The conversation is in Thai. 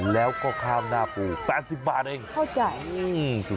แล้วก็ข้าวหน้าปู๘๐บาทเองเข้าใจ